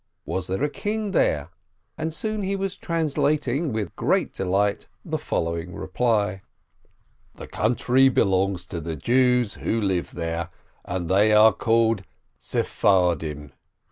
Was there a king there? And he was soon translating, with great delight, the following reply: "The country belongs to the Jews who live there, and who are called Sefardim.